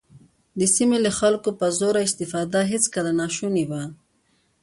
د سیمې له خلکو په زور استفاده هېڅکله ناشونې وه.